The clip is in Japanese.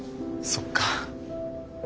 「そっか」